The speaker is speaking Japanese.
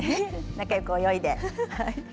仲よく泳いで。